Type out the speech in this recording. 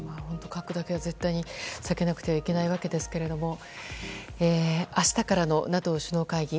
核だけは絶対に避けなくてはならないわけですが明日からのＮＡＴＯ首脳会議